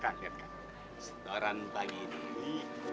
kangen kan setoran pagi ini